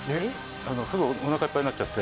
すぐおなかいっぱいになっちゃって。